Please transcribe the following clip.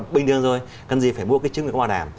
bình thường rồi cần gì phải mua cái chứng quyền bảo đảm